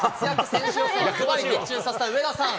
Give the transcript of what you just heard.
選手予想はずばり的中させた上田さん。